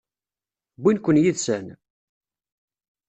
Wwin-ken yid-sen?